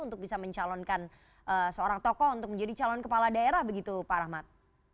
untuk bisa mencalonkan seorang tokoh untuk menjadi calon kepala daerah begitu pak rahmat